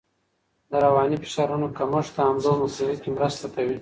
د رواني فشارونو کمښت د حملو مخنیوی کې مرسته کوي.